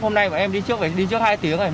hôm nay em đi trước phải đi trước hai tiếng